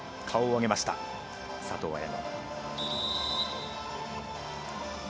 顔を上げました、佐藤綾乃。